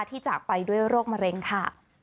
จากไปด้วยโรคมะเร็งค่ะ